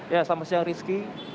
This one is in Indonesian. ya selamat siang rizky